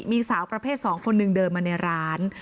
มีสาวประเภท๒คนหนึ่งเดินมาในร้าน